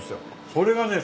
それがね